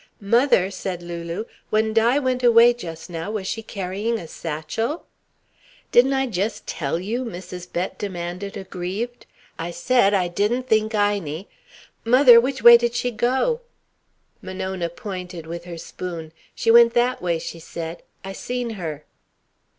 "Mother," said Lulu, "when Di went away just now, was she carrying a satchel?" "Didn't I just tell you?" Mrs. Bett demanded, aggrieved. "I said I didn't think Inie " "Mother! Which way did she go?" Monona pointed with her spoon. "She went that way," she said. "I seen her."